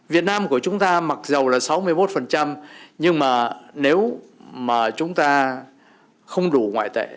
việt nam của chúng ta mặc dù là sáu mươi một nhưng mà nếu mà chúng ta không đủ ngoại tệ